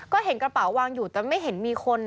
ก็เห็นกระเป๋าวางอยู่แต่ไม่เห็นมีคน